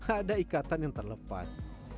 ada ikatan yang terlepas